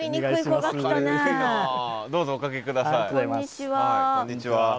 こんにちは。